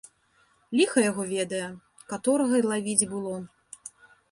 Ліха яго ведае, каторага й лавіць было!